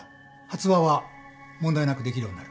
発話は問題なくできるようになる。